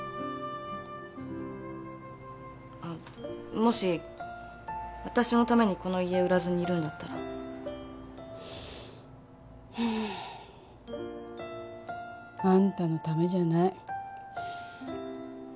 あっもし私のためにこの家売らずにいるんだったら。あんたのためじゃない。